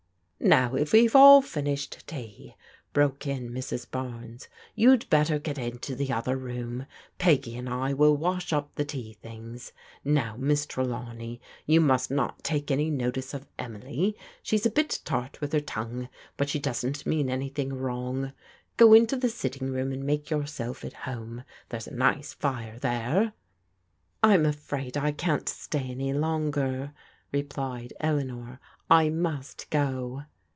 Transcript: Now, if we've all finished tea," broke in Mrs. Barnes, you'd better get into the other room. Peggy and I will wash up the tea things. "Novi, M\%% Trelawney, you must ELEANOR VISITS PEGGY 313 not take any notice of Emily; she's a bit tart with her tongue, but she doesn't mean anything wrong. Go into the sitting room and make yourself at home. There's a nice fire there." " I'm afraid I can't stay any longer," replied Eleanor. " I must go."